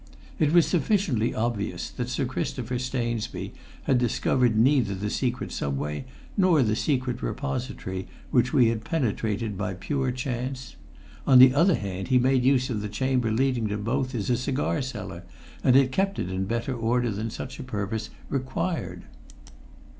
It was sufficiently obvious that Sir Christopher Stainsby had discovered neither the secret subway nor the secret repository which we had penetrated by pure chance; on the other hand, he made use of the chamber leading to both as a cigar cellar, and had it kept in better order than such a purpose required.